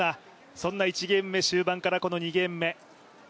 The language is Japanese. そんな１ゲーム目終盤からこの２ゲーム目。